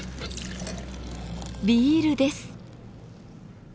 ビールです。